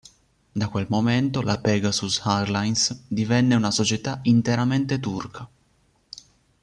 Da quel momento, la Pegasus Airlines divenne una società interamente turca.